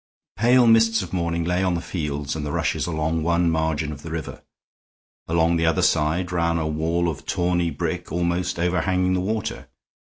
Pale mists of morning lay on the fields and the rushes along one margin of the river; along the other side ran a wall of tawny brick almost overhanging the water.